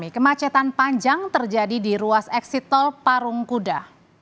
kemacetan panjang terjadi di ruas eksit tol parung kuda